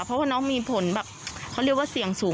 เพราะว่าน้องมีผลแบบเขาเรียกว่าเสี่ยงสูง